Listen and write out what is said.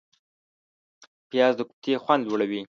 پیاز د کوفتې خوند لوړوي